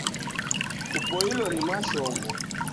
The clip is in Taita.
Kupoilo ni mashomo